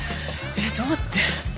えっどうって。